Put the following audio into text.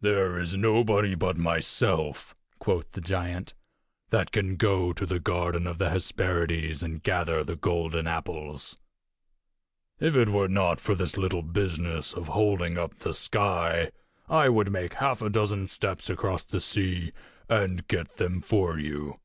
"There is nobody but myself," quoth the giant, "that can go to the garden of the Hesperides and gather the golden apples. If it were not for this little business of holding up the sky, I would make half a dozen steps across the sea and get them for you."